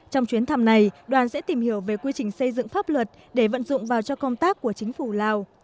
trong chuyến thăm này đoàn sẽ tìm hiểu về quy trình xây dựng pháp luật để vận dụng vào cho công tác của chính phủ lào